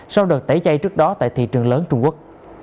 sau đợt tẩy chay trước đó tại thị trường lớn trung quốc